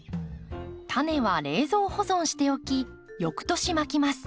タネは冷蔵保存しておき翌年まきます。